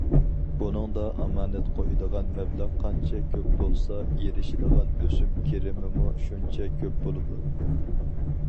بۇنىڭدا ئامانەت قويىدىغان مەبلەغ قانچە كۆپ بولسا ئېرىشىدىغان ئۆسۈم كىرىمىمۇ شۇنچە كۆپ بولىدۇ.